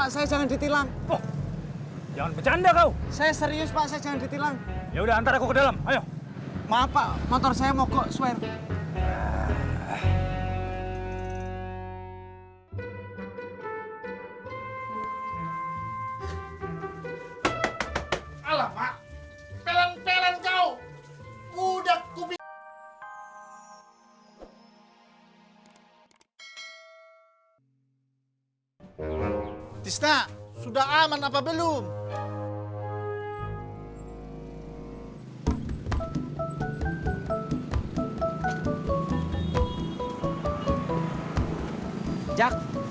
sampai jumpa di video selanjutnya